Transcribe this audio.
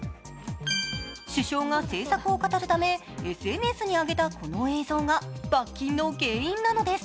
首相が政策を語るためＳＮＳに上げたこの映像が罰金の原因なんです。